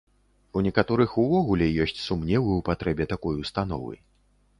У некаторых увогуле ёсць сумневы ў патрэбе такой установы.